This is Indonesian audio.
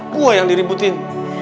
gua yang diributin